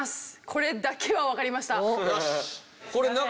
これだけはわかりました。